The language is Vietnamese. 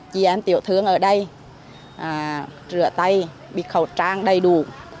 chị em tiểu thương ở đây rửa tay bịt khẩu trang đầy đủ